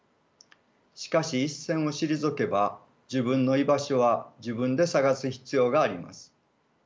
しかし一線を退けば自分の居場所は自分で探す必要があります。